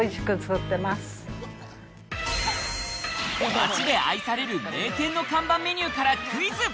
街で愛される名店の看板メニューからクイズ。